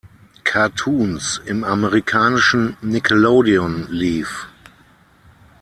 Cartoons" im amerikanischen Nickelodeon lief.